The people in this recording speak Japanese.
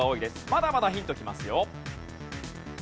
まだまだヒントきますよ。